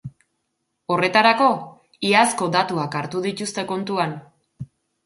Horretarako, iazko datuak hartu dituzte kontuan.